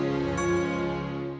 sampai jumpa lagi